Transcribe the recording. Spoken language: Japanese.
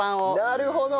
なるほど！